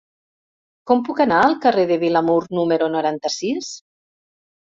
Com puc anar al carrer de Vilamur número noranta-sis?